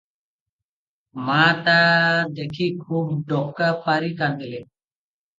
ମା ତା ଦେଖି ଖୁବ୍ ଡକା ପାରି କାନ୍ଦିଲେ ।